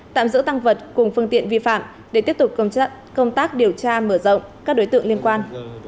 tạm giữ tăng vật cùng phương tiện vi phạm để tiếp tục công tác điều tra mở rộng các đối tượng liên quan